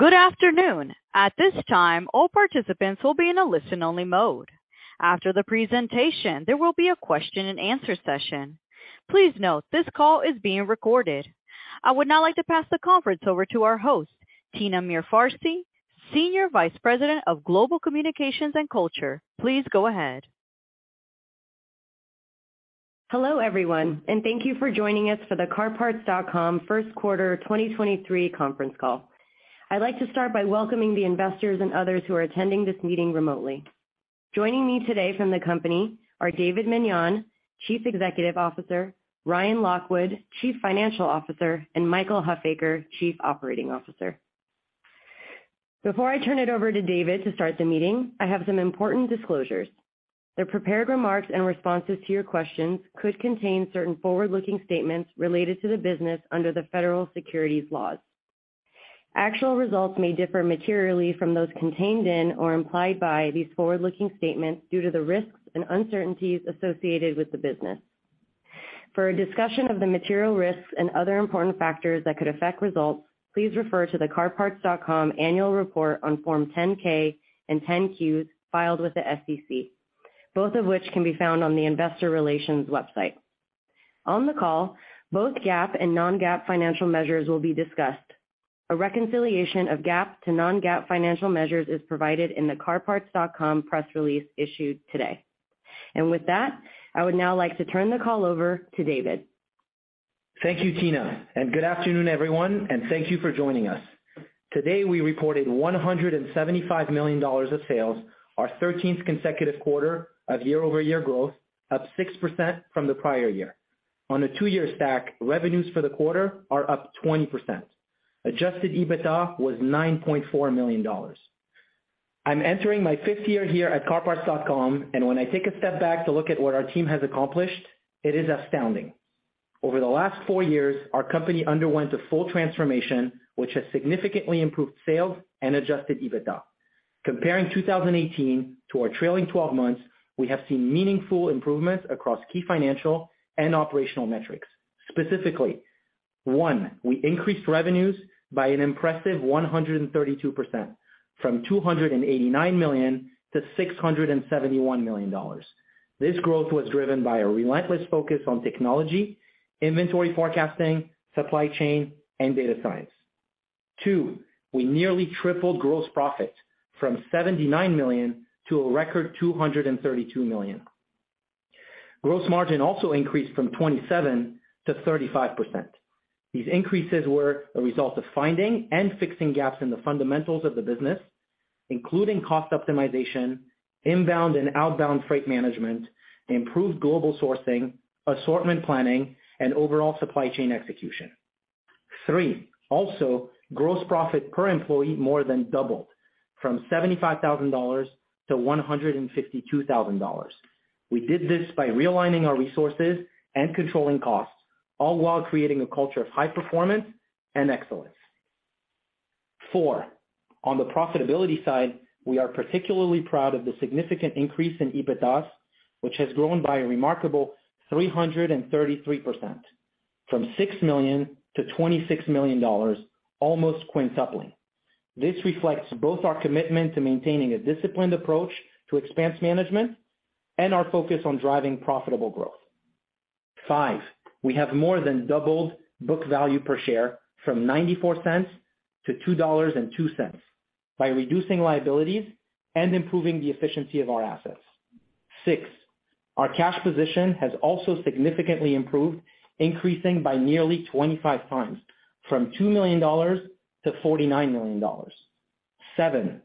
Good afternoon. At this time, all participants will be in a listen-only mode. After the presentation, there will be a question and answer session. Please note this call is being recorded. I would now like to pass the conference over to our host, Tina Mirfarsi, Senior Vice President of Global Communications and Culture. Please go ahead. Hello, everyone, thank you for joining us for the CarParts.com Q1 2023 Conference Call. I'd like to start by welcoming the investors and others who are attending this meeting remotely. Joining me today from the company are David Meniane, Chief Executive Officer, Ryan Lockwood, Chief Financial Officer, and Michael Huffaker, Chief Operating Officer. Before I turn it over to David to start the meeting, I have some important disclosures. The prepared remarks and responses to your questions could contain certain forward-looking statements related to the business under the federal securities laws. Actual results may differ materially from those contained in or implied by these forward-looking statements due to the risks and uncertainties associated with the business. For a discussion of the material risks and other important factors that could affect results, please refer to the CarParts.com annual report on form 10-K and 10-Qs filed with the SEC, both of which can be found on the investor relations website. On the call, both GAAP and non-GAAP financial measures will be discussed. A reconciliation of GAAP to non-GAAP financial measures is provided in the CarParts.com press release issued today. With that, I would now like to turn the call over to David. Thank you, Tina. Good afternoon, everyone, and thank you for joining us. Today, we reported $175 million of sales, our 13th consecutive quarter of year-over-year growth, up 6% from the prior year. On a two-year stack, revenues for the quarter are up 20%. Adjusted EBITDA was $9.4 million. I'm entering my fifth year here at CarParts.com. When I take a step back to look at what our team has accomplished, it is astounding. Over the last four years, our company underwent a full transformation, which has significantly improved sales and Adjusted EBITDA. Comparing 2018 to our trailing 12 months, we have seen meaningful improvements across key financial and operational metrics. Specifically, one, we increased revenues by an impressive 132% from $289 to 671 million. This growth was driven by a relentless focus on technology, inventory forecasting, supply chain, and data science. Two, we nearly tripled gross profit from $79 million to a record $232 million. Gross margin also increased from 27% to 35%. These increases were a result of finding and fixing gaps in the fundamentals of the business, including cost optimization, inbound and outbound freight management, improved global sourcing, assortment planning, and overall supply chain execution. Three, also gross profit per employee more than doubled from $75,000 to 152,000. We did this by realigning our resources and controlling costs, all while creating a culture of high performance and excellence. Four, on the profitability side, we are particularly proud of the significant increase in EBITDA, which has grown by a remarkable 333% from $6 to 26 million, almost quintupling. Five, we have more than doubled book value per share from $0.94 to 2.02 by reducing liabilities and improving the efficiency of our assets. Six, our cash position has also significantly improved, increasing by nearly 25x from $2 to 49 million. Seven,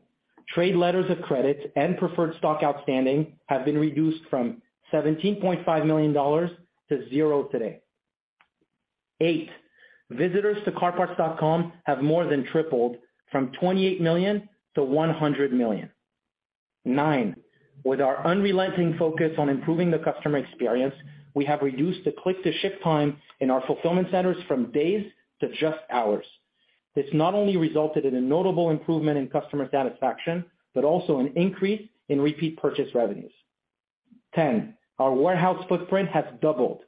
trade letters of credit and preferred stock outstanding have been reduced from $17.5 million to $0 today. Eight, visitors to CarParts.com have more than tripled from 28 million to 100 million. 9, with our unrelenting focus on improving the customer experience, we have reduced the click-to-ship time in our fulfillment centers from days to just hours. This not only resulted in a notable improvement in customer satisfaction, but also an increase in repeat purchase revenues. 10, our warehouse footprint has doubled.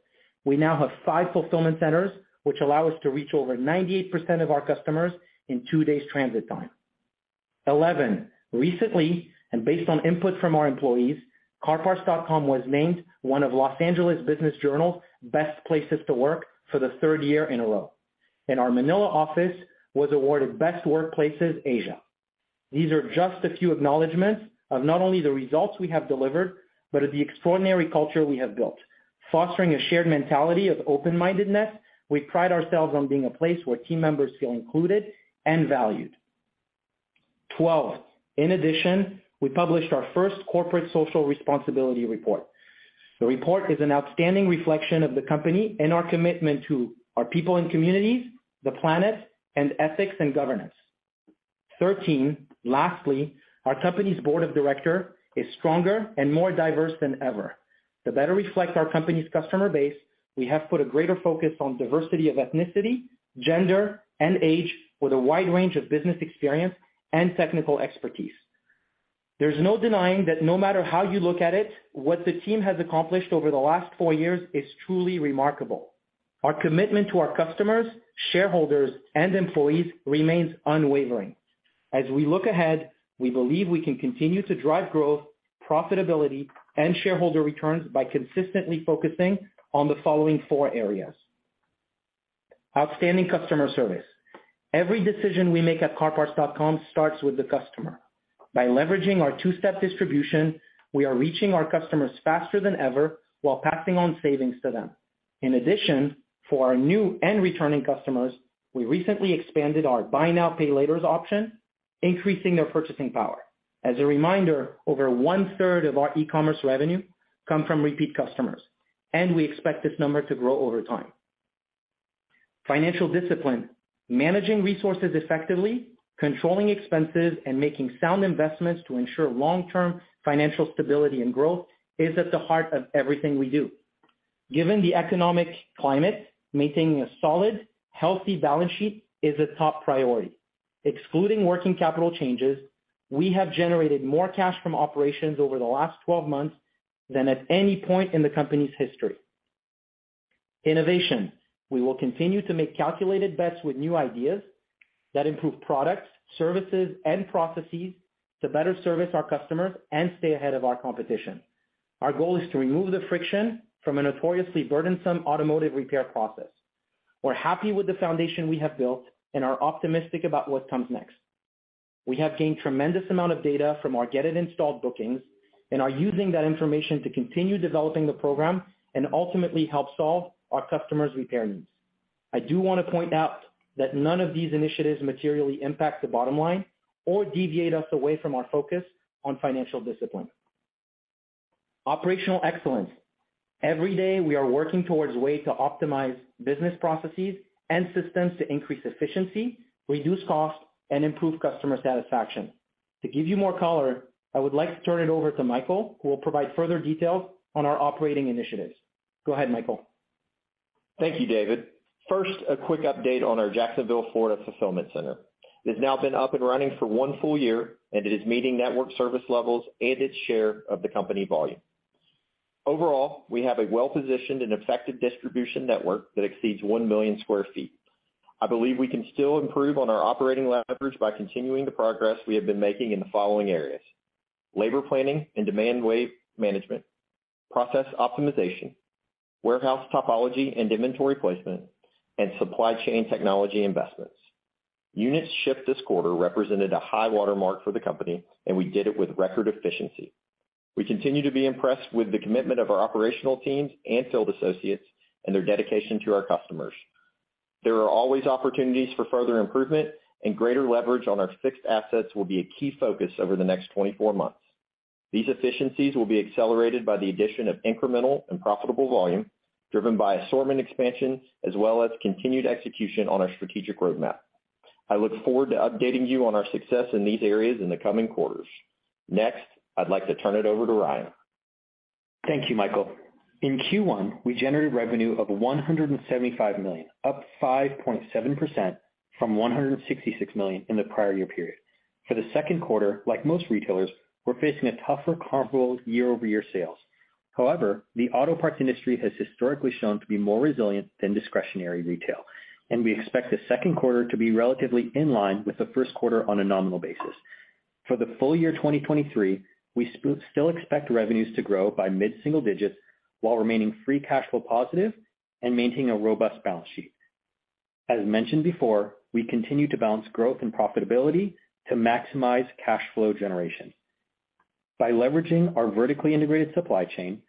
We now have five fulfillment centers, which allow us to reach over 98% of our customers in two days transit time. 11, recently, based on input from our employees, CarParts.com was named one of Los Angeles Business Journal's Best Places to Work for the third year in a row. Our Manila office was awarded Best Workplaces Asia. These are just a few acknowledgments of not only the results we have delivered, but of the extraordinary culture we have built. Fostering a shared mentality of open-mindedness, we pride ourselves on being a place where team members feel included and valued. 12, in addition, we published our first corporate social responsibility report. The report is an outstanding reflection of the company and our commitment to our people and communities, the planet, and ethics and governance. 13, lastly, our company's board of director is stronger and more diverse than ever. To better reflect our company's customer base, we have put a greater focus on diversity of ethnicity, gender, and age with a wide range of business experience and technical expertise. There's no denying that no matter how you look at it, what the team has accomplished over the last 4 years is truly remarkable. Our commitment to our customers, shareholders, and employees remains unwavering. We look ahead, we believe we can continue to drive growth, profitability, and shareholder returns by consistently focusing on the following four areas. Outstanding customer service. Every decision we make at CarParts.com starts with the customer. By leveraging our two-step distribution, we are reaching our customers faster than ever while passing on savings to them. In addition, for our new and returning customers, we recently expanded our Buy Now, Pay Later option, increasing their purchasing power. As a reminder, over 1/3 of our e-commerce revenue come from repeat customers, and we expect this number to grow over time. Financial discipline. Managing resources effectively, controlling expenses, and making sound investments to ensure long-term financial stability and growth is at the heart of everything we do. Given the economic climate, maintaining a solid, healthy balance sheet is a top priority. Excluding working capital changes, we have generated more cash from operations over the last 12 months than at any point in the company's history. Innovation. We will continue to make calculated bets with new ideas that improve products, services, and processes to better service our customers and stay ahead of our competition. Our goal is to remove the friction from a notoriously burdensome automotive repair process. We're happy with the foundation we have built and are optimistic about what comes next. We have gained tremendous amount of data from our Get It Installed bookings and are using that information to continue developing the program and ultimately help solve our customers' repair needs. I do wanna point out that none of these initiatives materially impact the bottom line or deviate us away from our focus on financial discipline. Operational excellence. Every day, we are working towards ways to optimize business processes and systems to increase efficiency, reduce costs, and improve customer satisfaction. To give you more color, I would like to turn it over to Michael, who will provide further details on our operating initiatives. Go ahead, Michael. Thank you, David. First, a quick update on our Jacksonville, Florida, fulfillment center. It's now been up and running for one full year, and it is meeting network service levels and its share of the company volume. Overall, we have a well-positioned and effective distribution network that exceeds 1 million sq ft. I believe we can still improve on our operating leverage by continuing the progress we have been making in the following areas: labor planning and demand wave management, process optimization, warehouse topology and inventory placement, and supply chain technology investments. Units shipped this quarter represented a high-water mark for the company, and we did it with record efficiency. We continue to be impressed with the commitment of our operational teams and field associates and their dedication to our customers. There are always opportunities for further improvement. Greater leverage on our fixed assets will be a key focus over the next 24 months. These efficiencies will be accelerated by the addition of incremental and profitable volume, driven by assortment expansion, as well as continued execution on our strategic roadmap. I look forward to updating you on our success in these areas in the coming quarters. I'd like to turn it over to Ryan. Thank you, Michael. In Q1, we generated revenue of $175 million, up 5.7% from $166 million in the prior year period. For the Q2, like most retailers, we're facing a tougher comparable year-over-year sales. However, the auto parts industry has historically shown to be more resilient than discretionary retail, and we expect the Q2 to be relatively in line with the Q1 on a nominal basis. For the full year 2023, we still expect revenues to grow by mid-single digits while remaining free cash flow positive and maintaining a robust balance sheet. As mentioned before, we continue to balance growth and profitability to maximize cash flow generation. By leveraging our vertically integrated supply chain,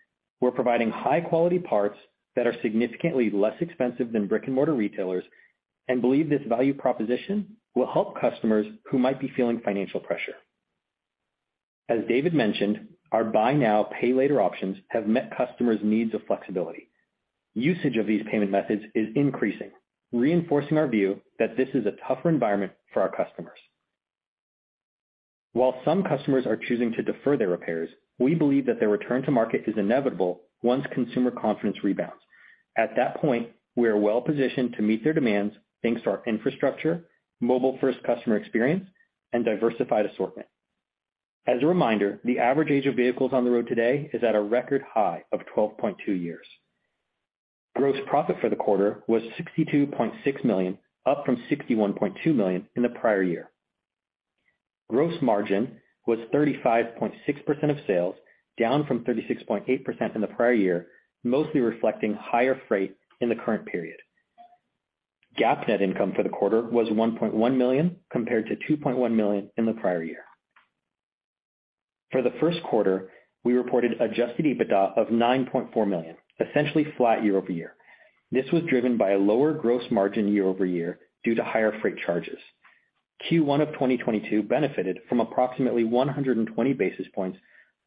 we're providing high-quality parts that are significantly less expensive than brick-and-mortar retailers and believe this value proposition will help customers who might be feeling financial pressure. As David mentioned, our Buy Now, Pay Later options have met customers' needs of flexibility. Usage of these payment methods is increasing, reinforcing our view that this is a tougher environment for our customers. While some customers are choosing to defer their repairs, we believe that their return to market is inevitable once consumer confidence rebounds. At that point, we are well-positioned to meet their demands, thanks to our infrastructure, mobile-first customer experience, and diversified assortment. As a reminder, the average age of vehicles on the road today is at a record high of 12.2 years. Gross profit for the quarter was $62.6 million, up from $61.2 million in the prior year. Gross margin was 35.6% of sales, down from 36.8% in the prior year, mostly reflecting higher freight in the current period. GAAP net income for the quarter was $1.1 million, compared to $2.1 million in the prior year. For the Q1, we reported Adjusted EBITDA of $9.4 million, essentially flat year-over-year. This was driven by a lower gross margin year-over-year due to higher freight charges. Q1 of 2022 benefited from approximately 120 basis points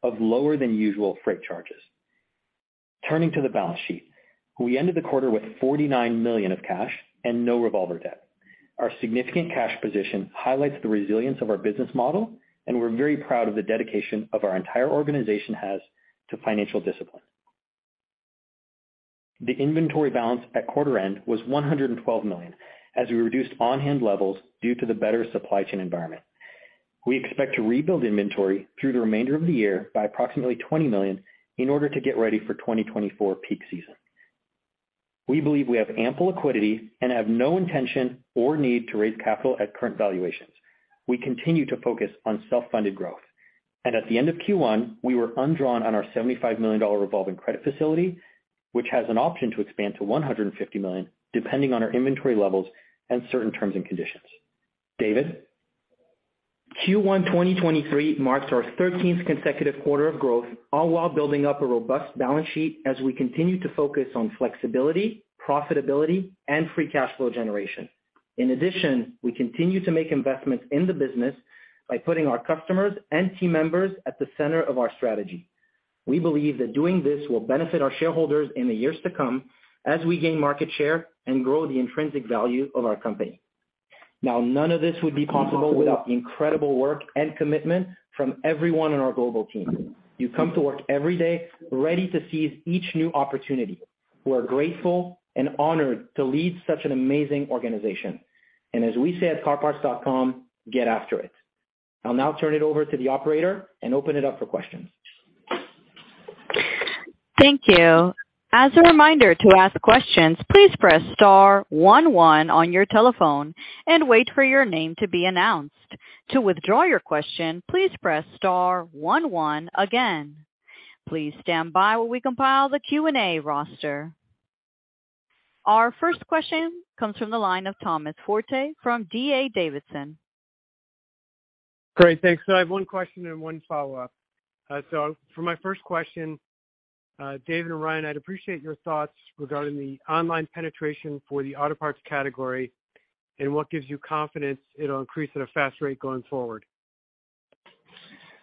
of lower-than-usual freight charges. Turning to the balance sheet. We ended the quarter with $49 million of cash and no revolver debt. Our significant cash position highlights the resilience of our business model. We're very proud of the dedication of our entire organization has to financial discipline. The inventory balance at quarter end was $112 million as we reduced on-hand levels due to the better supply chain environment. We expect to rebuild inventory through the remainder of the year by approximately $20 million in order to get ready for 2024 peak season. We believe we have ample liquidity and have no intention or need to raise capital at current valuations. We continue to focus on self-funded growth. At the end of Q1, we were undrawn on our $75 million revolving credit facility, which has an option to expand to $150 million, depending on our inventory levels and certain terms and conditions. David? Q1, 2023 marks our 13th consecutive quarter of growth, all while building up a robust balance sheet as we continue to focus on flexibility, profitability, and free cash flow generation. In addition, we continue to make investments in the business by putting our customers and team members at the center of our strategy. We believe that doing this will benefit our shareholders in the years to come as we gain market share and grow the intrinsic value of our company. Now, none of this would be possible without the incredible work and commitment from everyone on our global team. You come to work every day ready to seize each new opportunity. We're grateful and honored to lead such an amazing organization. As we say at CarParts.com, "Get after it." I'll now turn it over to the operator and open it up for questions. Thank you. As a reminder to ask questions, please press star one one on your telephone and wait for your name to be announced. To withdraw your question, please press star one one again. Please stand by while we compile the Q&A roster. Our first question comes from the line of Thomas Forte from D.A. Davidson. Great. Thanks. I have one question and one follow-up. For my first question, David and Ryan, I'd appreciate your thoughts regarding the online penetration for the auto parts category and what gives you confidence it'll increase at a fast rate going forward.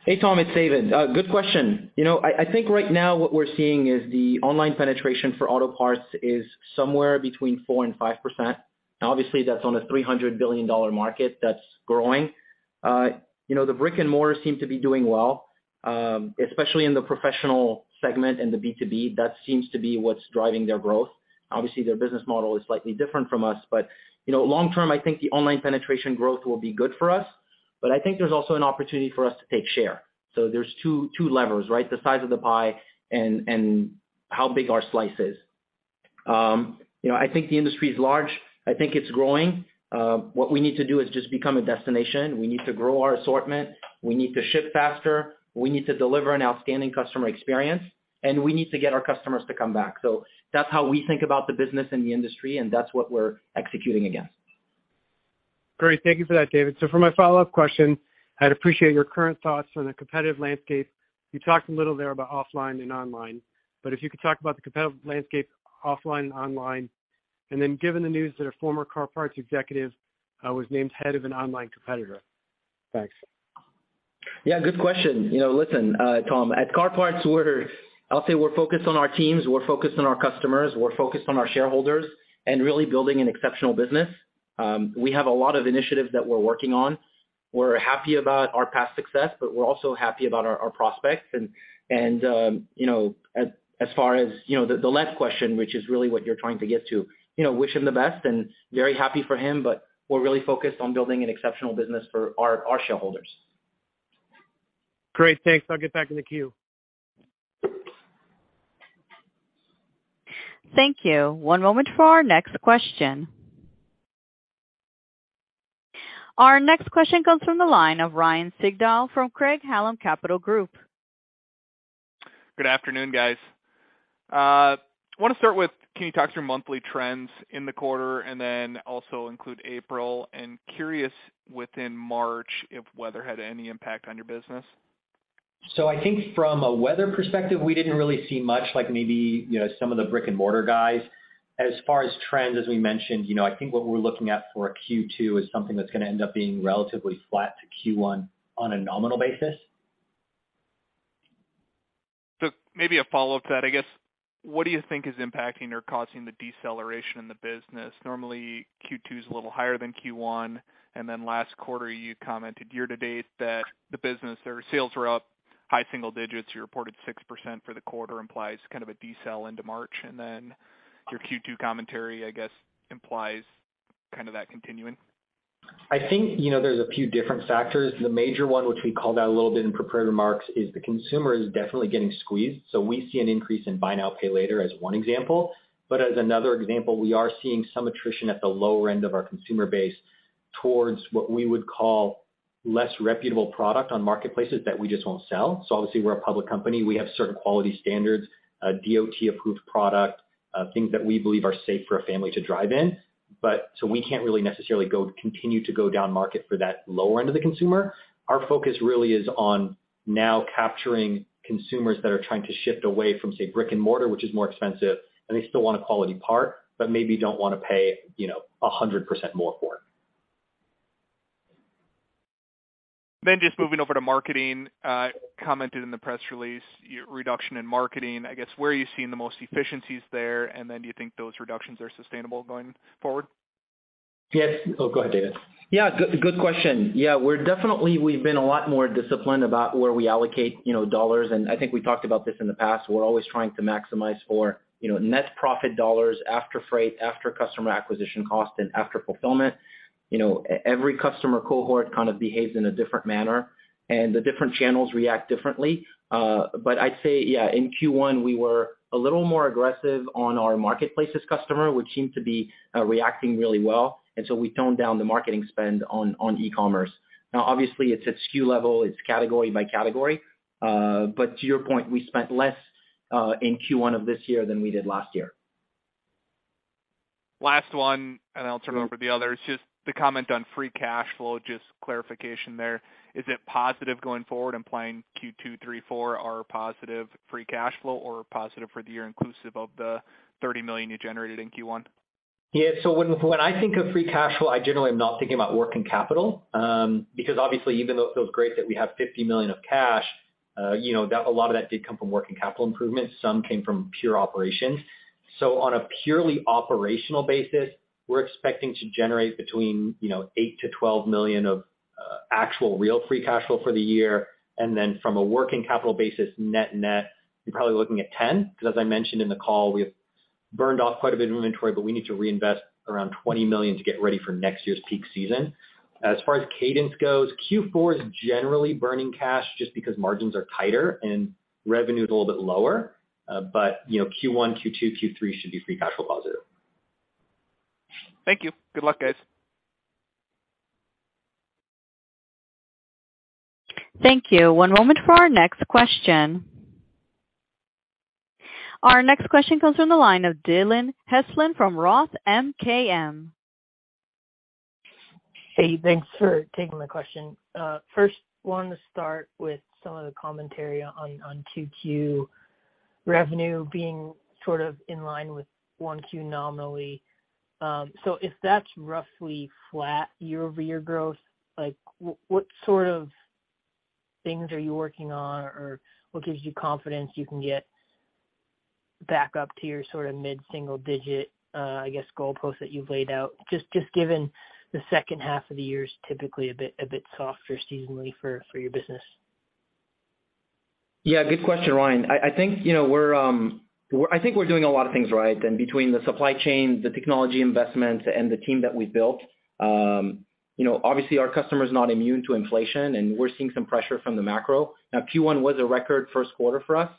Hey, Tom, it's David. Good question. You know, I think right now what we're seeing is the online penetration for auto parts is somewhere between 4% and 5%. Obviously, that's on a $300 billion market that's growing. You know, the brick-and-mortar seem to be doing well, especially in the professional segment and the B2B. That seems to be what's driving their growth. Obviously, their business model is slightly different from us, but, you know, long term, I think the online penetration growth will be good for us. I think there's also an opportunity for us to take share. There's two levers, right? The size of the pie and how big our slice is. You know, I think the industry is large. I think it's growing. What we need to do is just become a destination. We need to grow our assortment, we need to ship faster, we need to deliver an outstanding customer experience, and we need to get our customers to come back. That's how we think about the business and the industry, and that's what we're executing against. Great. Thank you for that, David. For my follow-up question, I'd appreciate your current thoughts on the competitive landscape. You talked a little there about offline and online, but if you could talk about the competitive landscape offline and online, given the news that a former CarParts.com executive was named head of an online competitor. Thanks. Yeah, good question. You know, listen, Tom, at Car Parts, I'll say we're focused on our teams, we're focused on our customers, we're focused on our shareholders and really building an exceptional business. We have a lot of initiatives that we're working on. We're happy about our past success, but we're also happy about our prospects. You know, as far as, you know, the last question, which is really what you're trying to get to, you know, wish him the best and very happy for him, but we're really focused on building an exceptional business for our shareholders. Great. Thanks. I'll get back in the queue. Thank you. One moment for our next question. Our next question comes from the line of Ryan Sigdahl from Craig-Hallum Capital Group. Good afternoon, guys. Wanna start with, can you talk through monthly trends in the quarter and then also include April? Curious within March if weather had any impact on your business? I think from a weather perspective, we didn't really see much like maybe, you know, some of the brick-and-mortar guys. As far as trends, as we mentioned, you know, I think what we're looking at for Q2 is something that's gonna end up being relatively flat to Q1 on a nominal basis. Maybe a follow-up to that, I guess, what do you think is impacting or causing the deceleration in the business? Normally, Q2 is a little higher than Q1. Last quarter you commented year-to-date that the business or sales were up high single digits. You reported 6% for the quarter implies kind of a decel into March. Your Q2 commentary, I guess, implies kind of that continuing. I think, you know, there's a few different factors. The major one, which we called out a little bit in prepared remarks, is the consumer is definitely getting squeezed. We see an increase in Buy Now, Pay Later as one example. As another example, we are seeing some attrition at the lower end of our consumer base towards what we would call less reputable product on marketplaces that we just won't sell. Obviously, we're a public company. We have certain quality standards, DOT approved product, things that we believe are safe for a family to drive in. We can't really necessarily continue to go down market for that lower end of the consumer. Our focus really is on now capturing consumers that are trying to shift away from, say, brick and mortar, which is more expensive, and they still want a quality part, but maybe don't wanna pay, you know, 100% more for it. Just moving over to marketing, commented in the press release, reduction in marketing. I guess, where are you seeing the most efficiencies there? Do you think those reductions are sustainable going forward? Yes. Oh, go ahead, David. Yeah. Good, good question. We've been a lot more disciplined about where we allocate, you know, dollars, and I think we talked about this in the past. We're always trying to maximize for, you know, net profit dollars after freight, after customer acquisition cost, and after fulfillment. You know, every customer cohort kind of behaves in a different manner, and the different channels react differently. But I'd say, yeah, in Q1, we were a little more aggressive on our marketplace's customer, which seemed to be reacting really well. We toned down the marketing spend on e-commerce. Now, obviously, it's at SKU level, it's category by category. But to your point, we spent less in Q1 of this year than we did last year. Last one. Then I'll turn it over to the others. Just the comment on free cash flow, just clarification there. Is it positive going forward, implying Q2, Q3, Q4 are positive free cash flow or positive for the year inclusive of the $30 million you generated in Q1? Yeah. When I think of free cash flow, I generally am not thinking about working capital, because obviously even though it feels great that we have $50 million of cash, you know, a lot of that did come from working capital improvements. Some came from pure operations. On a purely operational basis, we're expecting to generate between, you know, $8 million-$12 million of actual real free cash flow for the year. From a working capital basis, net-net, you're probably looking at $10 million because as I mentioned in the call, we have burned off quite a bit of inventory, but we need to reinvest around $20 million to get ready for next year's peak season. As far as cadence goes, Q4 is generally burning cash just because margins are tighter and revenue is a little bit lower. You know, Q1, Q2, Q3 should be free cash flow positive. Thank you. Good luck, guys. Thank you. One moment for our next question. Our next question comes from the line of Dillon Heslin from ROTH MKM. Hey, thanks for taking the question. First, wanted to start with some of the commentary on 2Q revenue being sort of in line with 1Q nominally. If that's roughly flat year-over-year growth, like, what sort of things are you working on or what gives you confidence you can get back up to your sort of mid-single digit, I guess, goalpost that you've laid out? Just given the second half of the year is typically a bit softer seasonally for your business. Yeah, good question, Ryan. I think, you know, we're doing a lot of things right than between the supply chain, the technology investments, and the team that we've built. You know, obviously our customer is not immune to inflation, and we're seeing some pressure from the macro. Q1 was a record Q1 for us.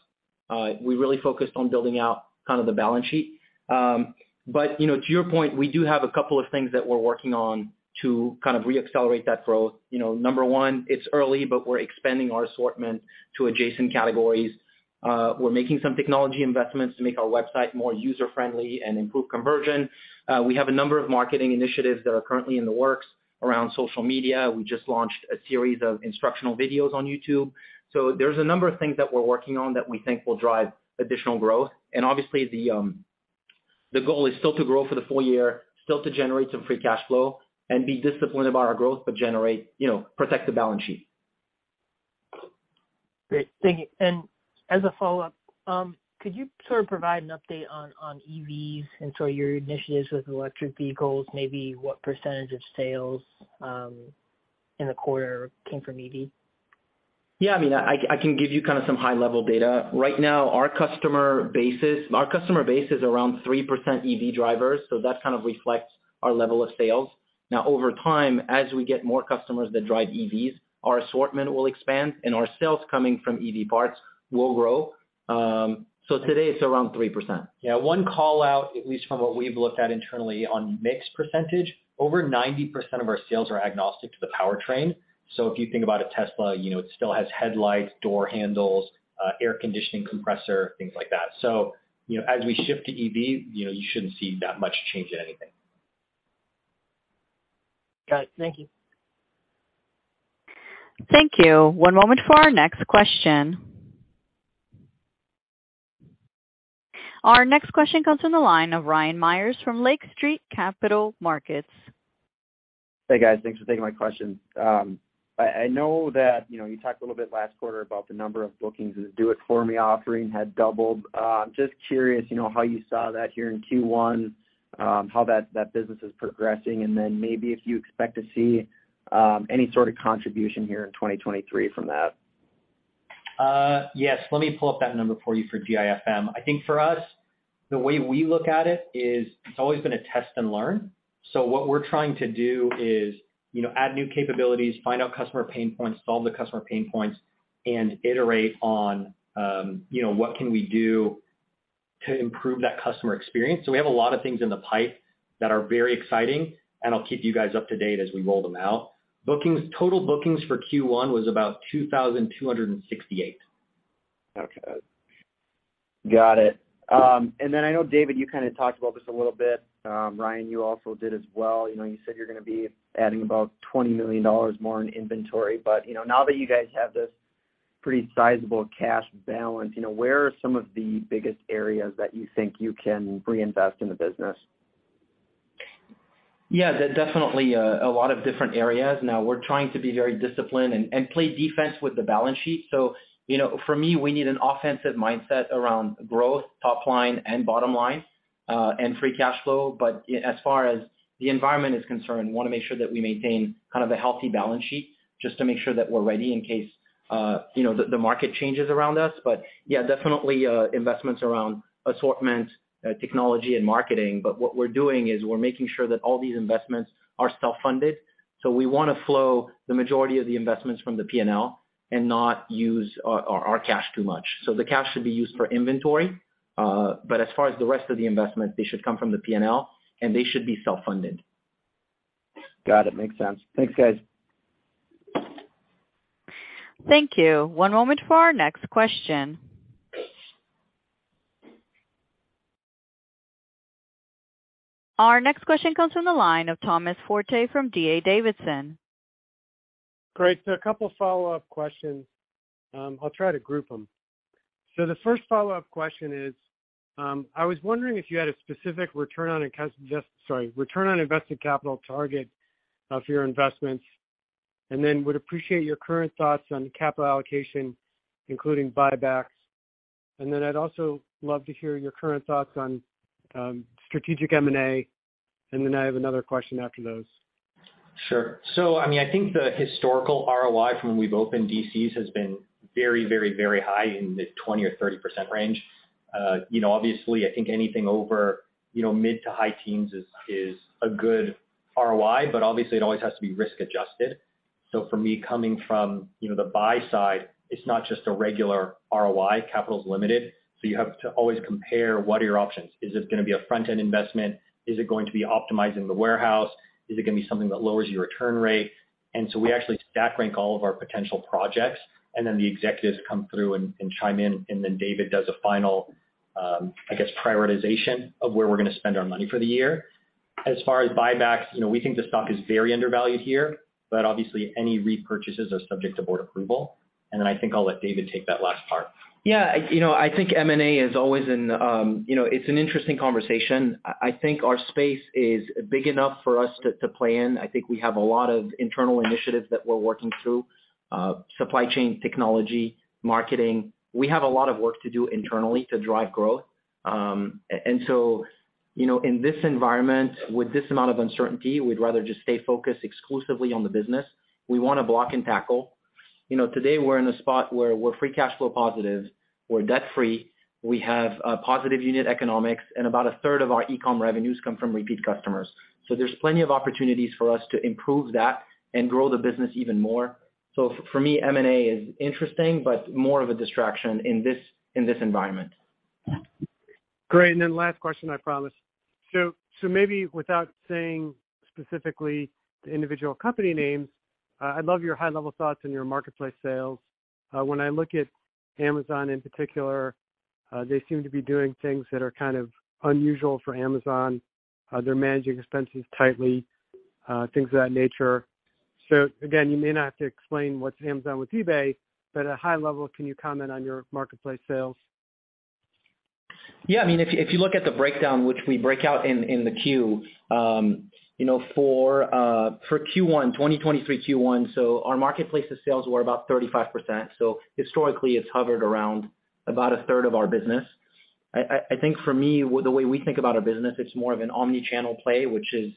We really focused on building out kind of the balance sheet. You know, to your point, we do have a couple of things that we're working on to kind of re-accelerate that growth. You know, number one, it's early, but we're expanding our assortment to adjacent categories. We're making some technology investments to make our website more user-friendly and improve conversion. We have a number of marketing initiatives that are currently in the works around social media. We just launched a series of instructional videos on YouTube. There's a number of things that we're working on that we think will drive additional growth. Obviously, the goal is still to grow for the full year, still to generate some free cash flow and be disciplined about our growth, but you know, protect the balance sheet. Great. Thank you. As a follow-up, could you sort of provide an update on EVs and sort of your initiatives with electric vehicles, maybe what percentage of sales in the quarter came from EV? Yeah. I mean, I can give you kind of some high-level data. Right now, our customer base is around 3% EV drivers, that kind of reflects our level of sales. Now, over time, as we get more customers that drive EVs, our assortment will expand and our sales coming from EV parts will grow. Today it's around 3%. Yeah. One call-out, at least from what we've looked at internally on mix percentage, over 90% of our sales are agnostic to the powertrain. If you think about a Tesla, you know, it still has headlights, door handles, air conditioning compressor, things like that. You know, as we shift to EV, you know, you shouldn't see that much change in anything. Got it. Thank you. Thank you. One moment for our next question. Our next question comes from the line of Ryan Meyers from Lake Street Capital Markets. Hey, guys. Thanks for taking my question. I know that, you know, you talked a little bit last quarter about the number of bookings, the Do It For Me offering had doubled. I'm just curious, you know, how you saw that here in Q1, how that business is progressing, and then maybe if you expect to see any sort of contribution here in 2023 from that. Yes. Let me pull up that number for you for DIFM. I think for us, the way we look at it is it's always been a test and learn. What we're trying to do is, you know, add new capabilities, find out customer pain points, solve the customer pain points, and iterate on, you know, what can we do to improve that customer experience. We have a lot of things in the pipe that are very exciting, and I'll keep you guys up to date as we roll them out. Total bookings for Q1 was about 2,268. Okay. Got it. Then I know, David, you kinda talked about this a little bit. Ryan, you also did as well. You know, you said you're gonna be adding about $20 million more in inventory. You know, now that you guys have this pretty sizable cash balance, you know, where are some of the biggest areas that you think you can reinvest in the business? Yeah. Definitely, a lot of different areas. we're trying to be very disciplined and play defense with the balance sheet. you know, for me, we need an offensive mindset around growth, top line and bottom line, and free cash flow. as far as the environment is concerned, we wanna make sure that we maintain kind of a healthy balance sheet just to make sure that we're ready in case You know, the market changes around us. Yeah, definitely, investments around assortment, technology and marketing. What we're doing is we're making sure that all these investments are self-funded. We wanna flow the majority of the investments from the P&L and not use our cash too much. The cash should be used for inventory. As far as the rest of the investment, they should come from the P&L, and they should be self-funded. Got it. Makes sense. Thanks, guys. Thank you. One moment for our next question. Our next question comes from the line of Thomas Forte from D.A. Davidson. Great. A couple follow-up questions. I'll try to group them. The first follow-up question is, I was wondering if you had a specific return on invested capital target of your investments. Would appreciate your current thoughts on capital allocation, including buybacks. I'd also love to hear your current thoughts on strategic M&A. I have another question after those. Sure. I mean, I think the historical ROI from when we've opened DCs has been very, very, very high in the 20% or 30% range. You know, obviously, I think anything over, you know, mid to high teens is a good ROI, obviously it always has to be risk adjusted. For me, coming from, you know, the buy side, it's not just a regular ROI, capital's limited, you have to always compare what are your options. Is this gonna be a front-end investment? Is it going to be optimizing the warehouse? Is it gonna be something that lowers your return rate? We actually stack rank all of our potential projects, the executives come through and chime in, David does a final, I guess, prioritization of where we're gonna spend our money for the year. As far as buybacks, you know, we think the stock is very undervalued here, but obviously any repurchases are subject to board approval. Then I think I'll let David take that last part. You know, I think M&A is always an, you know, it's an interesting conversation. I think our space is big enough for us to play in. I think we have a lot of internal initiatives that we're working through, supply chain technology, marketing. We have a lot of work to do internally to drive growth. You know, in this environment, with this amount of uncertainty, we'd rather just stay focused exclusively on the business. We wanna block and tackle. You know, today we're in a spot where we're free cash flow positive, we're debt-free, we have positive unit economics, and about a third of our e-com revenues come from repeat customers. There's plenty of opportunities for us to improve that and grow the business even more. For me, M&A is interesting, but more of a distraction in this environment. Great. Last question, I promise. Maybe without saying specifically the individual company names, I'd love your high-level thoughts in your marketplace sales. When I look at Amazon in particular, they seem to be doing things that are kind of unusual for Amazon. They're managing expenses tightly, things of that nature. Again, you may not have to explain what's Amazon with eBay, but at a high level, can you comment on your marketplace sales? I mean, if you look at the breakdown, which we break out in the Q, you know, for Q1 2023, our marketplace's sales were about 35%. Historically, it's hovered around about a third of our business. I think for me, the way we think about our business, it's more of an omni-channel play, which is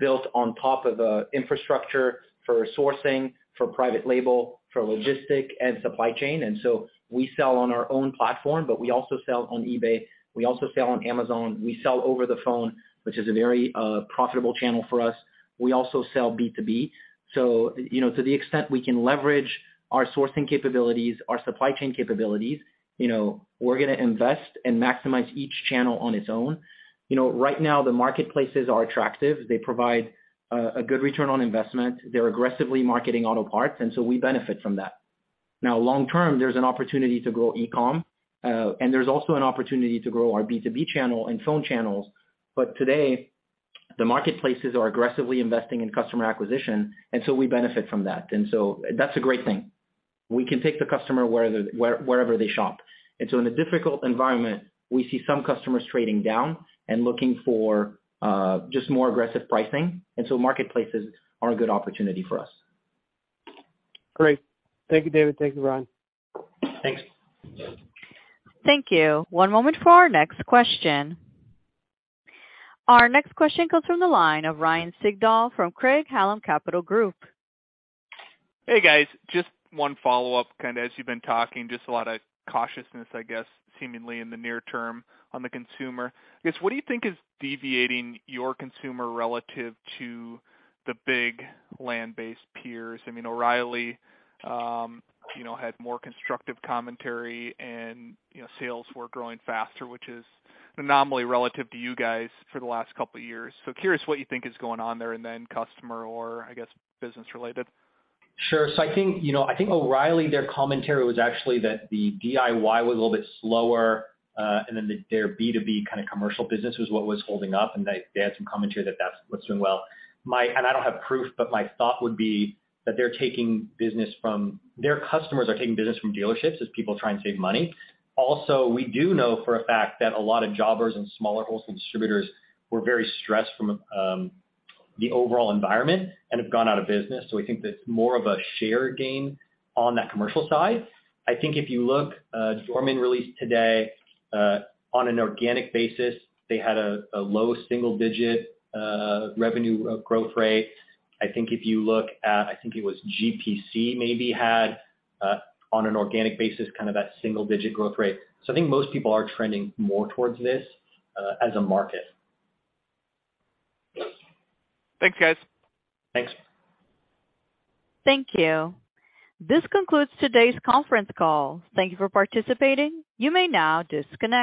built on top of an infrastructure for sourcing, for private label, for logistics and supply chain. We sell on our own platform, but we also sell on eBay, we also sell on Amazon, we sell over the phone, which is a very profitable channel for us. We also sell B2B. You know, to the extent we can leverage our sourcing capabilities, our supply chain capabilities, you know, we're gonna invest and maximize each channel on its own. You know, right now the marketplaces are attractive. They provide a good return on investment. They're aggressively marketing auto parts, and so we benefit from that. Long term, there's an opportunity to grow e-com, and there's also an opportunity to grow our B2B channel and phone channels. Today, the marketplaces are aggressively investing in customer acquisition, and so we benefit from that. That's a great thing. We can take the customer wherever they shop. In a difficult environment, we see some customers trading down and looking for just more aggressive pricing, and so marketplaces are a good opportunity for us. Great. Thank you, David. Thank you, Ryan. Thanks. Thank you. One moment for our next question. Our next question comes from the line of Ryan Sigdahl from Craig-Hallum Capital Group. Hey, guys. Just one follow-up, kind of as you've been talking, just a lot of cautiousness, I guess, seemingly in the near term on the consumer. I guess, what do you think is deviating your consumer relative to the big land-based peers? I mean, O'Reilly, you know, had more constructive commentary and, you know, sales were growing faster, which is an anomaly relative to you guys for the last couple years. Curious what you think is going on there and then customer or, I guess, business related. Sure. I think O'Reilly, their commentary was actually that the DIY was a little bit slower, their B2B kind of commercial business was what was holding up, and they had some commentary that that's what's doing well. I don't have proof, but my thought would be that they're taking business from... Their customers are taking business from dealerships as people try and save money. Also, we do know for a fact that a lot of jobbers and smaller wholesale distributors were very stressed from the overall environment and have gone out of business. I think that's more of a share gain on that commercial side. I think if you look, Dorman released today, on an organic basis, they had a low single digit revenue growth rate. I think if you look at, I think it was GPC maybe had on an organic basis kind of that single digit growth rate. I think most people are trending more towards this as a market. Thanks, guys. Thanks. Thank you. This concludes today's conference call. Thank you for participating. You may now disconnect.